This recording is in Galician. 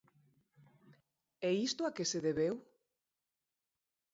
E isto a que se debeu?